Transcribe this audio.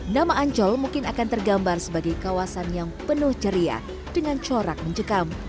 nama ancol mungkin akan tergambar sebagai kawasan yang penuh ceria dengan corak mencekam